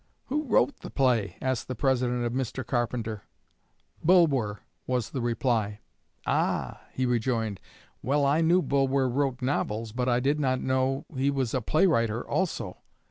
"Who wrote the play?" asked the President of Mr. Carpenter. "Bulwer," was the reply. "Ah!" he rejoined; "well, I knew Bulwer wrote novels, but I did not know he was a play writer also.